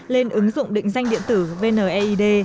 lên ứng dụng định danh điện tử vneid